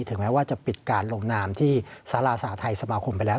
ถึงแม้ว่าจะปิดการโรงนามที่ศาลาสาธารณีสมาคมไปแล้ว